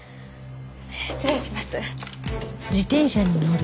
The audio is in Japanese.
失礼します。